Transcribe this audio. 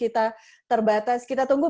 kita terbatas kita tunggu